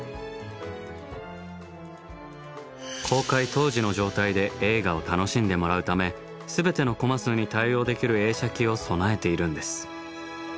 公開当時の状態で映画を楽しんでもらうため全てのコマ数に対応できる映写機を備えているんです。